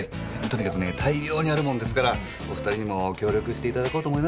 とにかくね大量にあるもんですからお２人にも協力していただこうと思いましてね。